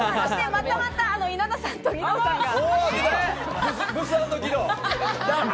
またまた稲田さんと義堂さんが。